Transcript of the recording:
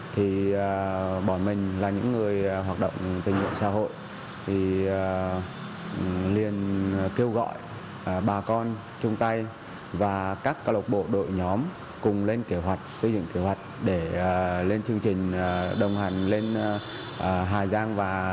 thì bọn mình là những người hoạt động tình nguyện xã hội thì liền kêu gọi bà con chung tay và các cơ lộc bộ đội nhóm cùng lên kế hoạch xây dựng kế hoạch để lên chương trình đồng hành lên hà giang và lai châu để giúp hỗ trợ cho bà con